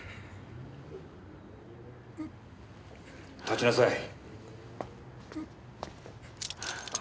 立ちなさい。